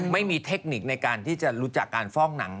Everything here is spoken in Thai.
ไม่มีเทคนิคในการที่จะรู้จักการฟอกหนัง